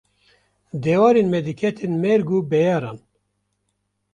Dewarên me diketin mêrg û beyaran